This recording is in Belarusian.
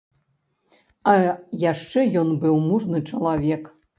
А яшчэ ён быў мужны чалавек.